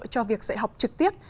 cho việc dạy học trực tiếp